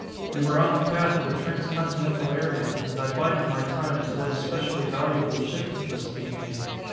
"We were on the path of the transcontinental air mail, and I bided my time until an especially valuable shipment was to be made.